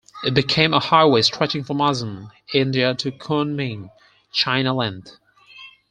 It became a highway stretching from Assam, India to Kunming, China length.